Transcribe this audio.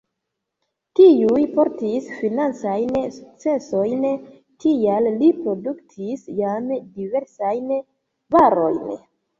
Tiuj portis financajn sukcesojn, tial li produktis jam diversajn varojn.